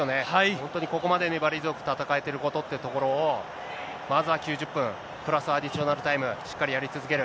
本当にここまで粘り強く戦えてることっていうところを、まずは９０分、プラスアディショナルタイムでしっかりやり続ける。